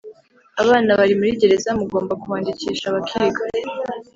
Abana bari muri gereza mugomba kubandikisha bakiga